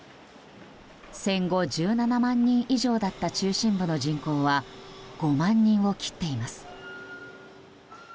戦後１７万人以上だった中心部の人口は５万人を切っています。